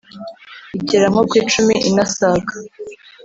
igera nko kw’icumi inasaga